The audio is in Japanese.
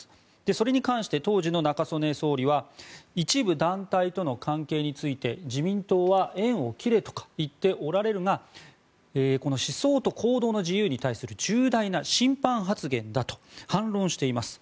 それに関して当時の中曽根総理は一部団体との関係について自民党は縁を切れとか言っておられるがこの思想と行動の自由に対する重大な侵犯発言だと反論しています。